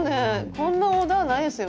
こんなオーダーないですよ